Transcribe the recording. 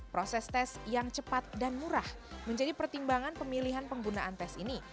proses tes yang cepat dan murah menjadi pertimbangan pemilihan penggunaan tes ini